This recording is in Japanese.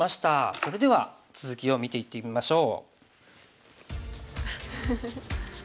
それでは続きを見ていってみましょう。